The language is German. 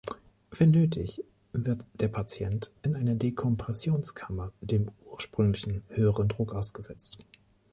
Wenn nötig, wird der Patient in einer Dekompressionskammer dem ursprünglichen, höheren Druck ausgesetzt.